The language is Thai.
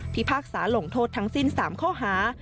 พากษาหลงโทษทั้งสิ้น๓ข้อหา